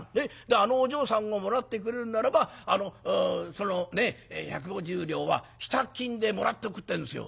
あのお嬢さんをもらってくれるならばその百五十両は支度金でもらっておくって言うんですよ。